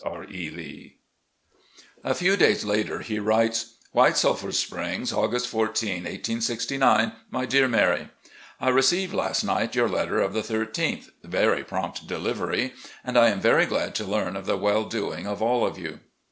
R. E. Lee." A few days later he writes : "White Sulphur Springs, August 14, 1869. " My Dear Mary: I received last night your letter of the 13th — ^very prompt delivery — ^and am very glad to learn of the well doing of all with you.